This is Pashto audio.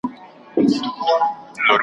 پر ما غټ دي د مُلا اوږده بوټونه .